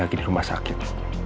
lagi di rumah sakit